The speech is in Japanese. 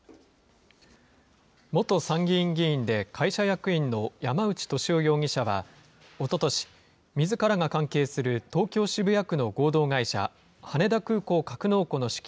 元参議院議員で会社役員の山内俊夫容疑者は、おととし、みずからが関係する東京・渋谷区の合同会社、羽田空港格納庫の資金